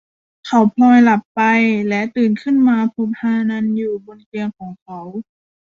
เขาผล็อยหลับไปและตื่นขึ้นมาพบฮานันอยู่บนเตียงของเขา